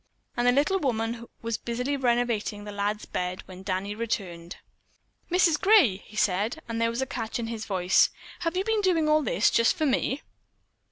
The little woman was busily renovating the lad's bed when Danny returned. "Mrs. Gray," he said, and there was a catch in his voice, "have you been doing all this just for me?"